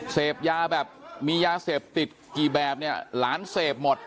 เสพยาแบบมียาเสพติดกี่แบบเนี่ยหลานเสพหมด